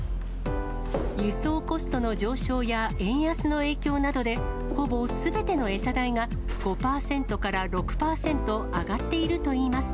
輸送コストの上昇や円安の影響などで、ほぼすべての餌代が、５％から６％上がっているといいます。